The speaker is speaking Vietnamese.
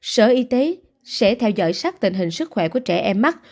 sở y tế sẽ theo dõi sát tình hình sức khỏe của trẻ em mắc